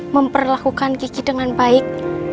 memperlakukan kiki dengan baik